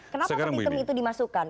kenapa ketituman itu dimasukkan